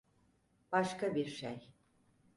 Başka bir şey.